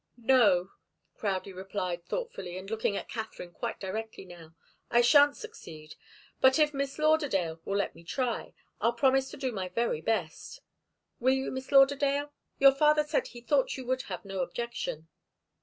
"No," Crowdie replied thoughtfully, and looking at Katharine quite directly now. "I shan't succeed, but if Miss Lauderdale will let me try, I'll promise to do my very best. Will you, Miss Lauderdale? Your father said he thought you would have no objection."